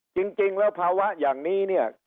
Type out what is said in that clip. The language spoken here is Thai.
จริงแล้วภาวะอย่างนี้